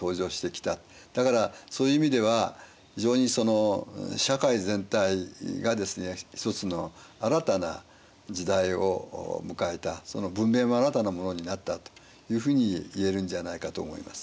だからそういう意味では非常にその社会全体がですね一つの新たな時代を迎えた文明も新たなものになったというふうに言えるんじゃないかと思います。